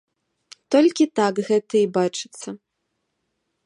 Толькі так гэта і бачыцца.